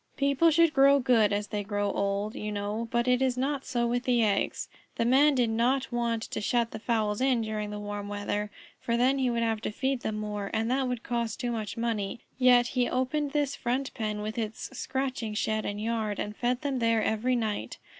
People should grow good as they grow old, you know, but it is not so with the eggs. The Man did not want to shut the fowls in during the warm weather, for then he would have to feed them more, and that would cost too much money, yet he opened this front pen with its scratching shed and yard, and fed them there every night.